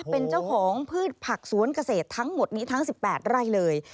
เป็นเจ้าของพืชผักสวนเกษตรทั้งหมดนี้ทั้ง๑๘ไร่เลย